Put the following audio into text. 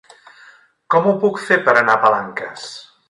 Com ho puc fer per anar a Palanques?